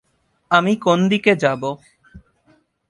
আমি কোন দিকে যাব।